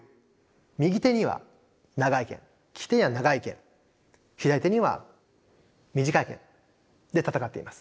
右手には長い剣利き手には長い剣左手には短い剣で戦っています。